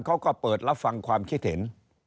เขาก็เปิดรับฟังความคิดเห็น